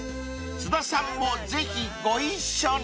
［津田さんもぜひご一緒に］